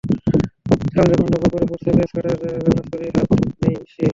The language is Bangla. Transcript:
চাল যখন টগবগ করে ফুটছে, পেঁয়াজ কাটার জন্য ছুরি হাতে নেয় সে।